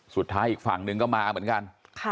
สุดท้ายอีกฝั่งนึงก็มาเหมือนกัน